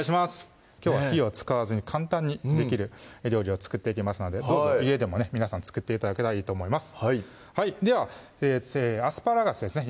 きょうは火を使わずに簡単にできる料理を作っていきますのでどうぞ家でもね皆さん作って頂けたらいいと思いますではアスパラガスですね